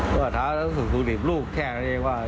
ก็ถามแล้วสุดหลีบลูกแค่นั้นเองว่า